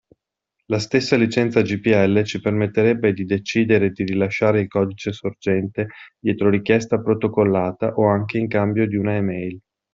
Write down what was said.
La stessa licenza GPL ci permetterebbe di decidere di rilasciare il codice sorgente dietro richiesta protocollata o anche in cambio di una email.